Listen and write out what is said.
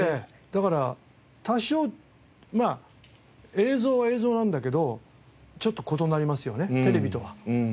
だから多少まあ映像は映像なんだけどちょっと異なりますよねテレビとは。